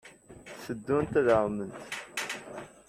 I teddumt ad tɛumemt?